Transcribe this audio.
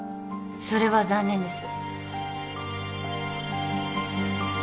それは残念です。